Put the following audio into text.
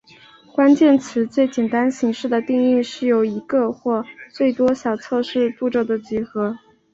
关键字最简单形式的定义是一个或多个最小测试步骤的集合。